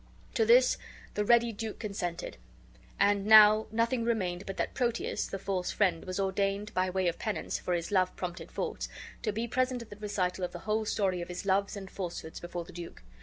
To this the' ready duke consented. And now nothing remained but that Proteus, the false friend, was ordained, by way of penance for his love prompted faults, to be present at the recital of the whole story of his loves and falsehoods before the duke.